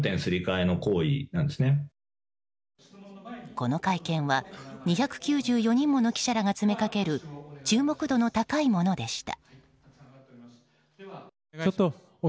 この会見は２９４人もの記者らが詰めかける注目度の高いものでした。